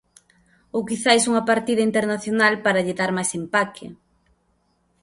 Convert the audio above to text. Ou quizais unha partida internacional para lle dar máis empaque.